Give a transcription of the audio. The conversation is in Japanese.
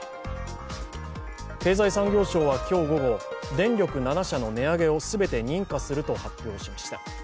経済産業省は今日午後、電力７社の値上げを全て認可すると発表しました。